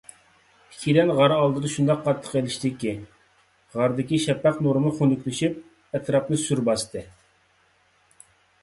ئىككىيلەن غار ئالدىدا شۇنداق قاتتىق ئېلىشتىكى، غاردىكى شەپەق نۇرىمۇ خۇنۈكلىشىپ، ئەتراپنى سۈر باستى.